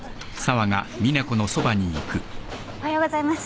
おはようございます。